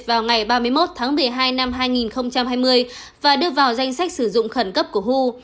vào ngày ba mươi một tháng một mươi hai năm hai nghìn hai mươi và đưa vào danh sách sử dụng khẩn cấp của hu